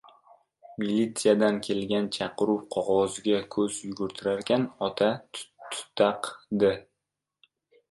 Militsiyadan kelgan chaqiruv qogʻoziga koʻz yugurtirarkan, ota tutaqdi.